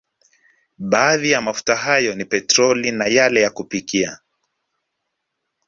Baadhi ya mafuta hayo ni petroli na yale ya kupikia